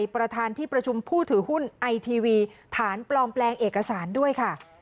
ประธานที่ประชุมผู้ถือหุ้นไอทีวีฐานปลอมแปลงเอกสารด้วยค่ะ